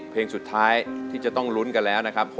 เพลงสุดท้ายที่จะต้องลุ้นกันแล้วนะครับ